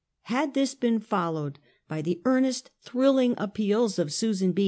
Had this been followed by the earnest, thrilling appeals of Susan B.